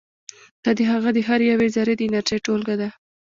دا د هغه د هرې یوې ذرې د انرژي ټولګه ده.